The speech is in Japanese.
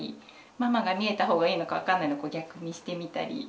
ママが見えた方がいいのか分かんないの逆にしてみたり。